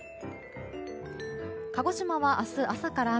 鹿児島は明日、朝から雨。